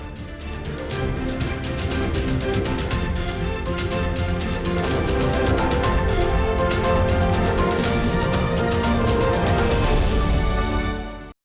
terima kasih bang abalin